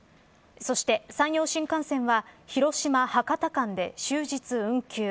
そして、山陽新幹線は広島、博多間で終日運休。